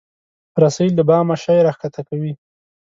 رسۍ له بامه شی راکښته کوي.